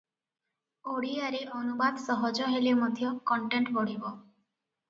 ଓଡ଼ିଆରେ ଅନୁବାଦ ସହଜ ହେଲେ ମଧ୍ୟ କଣ୍ଟେଣ୍ଟ ବଢ଼ିବ ।